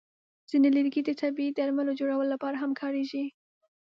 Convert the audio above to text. ځینې لرګي د طبیعي درملو جوړولو لپاره هم کارېږي.